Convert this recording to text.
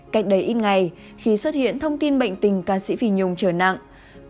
cách đấy ít ngày khi xuất hiện thông tin bệnh tình ca sĩ phi nhung